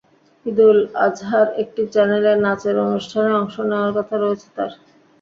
ঈদুল আজহায় একটি চ্যানেলে নাচের অনুষ্ঠানে অংশ নেওয়ার কথা রয়েছে তাঁর।